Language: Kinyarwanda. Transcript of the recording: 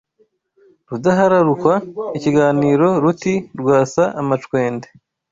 Rudahararukwa ikaniro ruti rwasa amacwende